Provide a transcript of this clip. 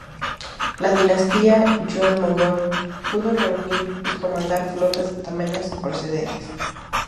La dinastía Yuan Mongol pudo reunir y comandar flotas de tamaño sin precedentes.